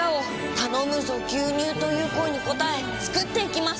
頼むぞ牛乳という声に応え作っていきます。